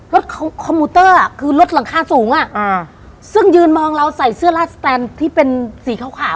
คอมมูเตอร์อ่ะคือรถหลังคาสูงอ่ะอ่าซึ่งยืนมองเราใส่เสื้อลาดสแตนที่เป็นสีขาวขาว